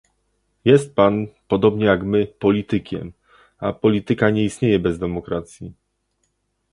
Jest pan, podobnie jak my, politykiem, a polityka nie istnieje bez demokracji